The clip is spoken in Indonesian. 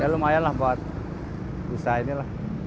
ya lumayan lah buat bisa ini lah